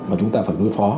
mà chúng ta phải đối phó